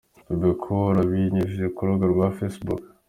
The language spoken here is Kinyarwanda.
Bebe Cool abinyujije ku rubuga rwa facebook.